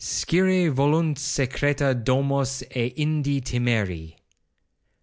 'Scire volunt secreta domus et inde timeri.'